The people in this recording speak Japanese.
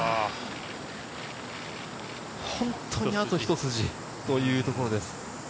本当にあとひと筋というところです。